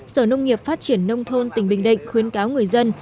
sở nông nghiệp phát triển nông thôn tỉnh bình định khuyến cáo người dân